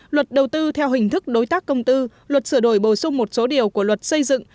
luật đầu tư theo hình thức đối tác công tư luật sửa đổi bổ sung một số điều của luật xây dựng